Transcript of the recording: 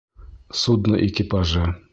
Судно экипажы.